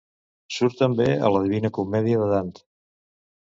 Surt també a la Divina Comèdia de Dant?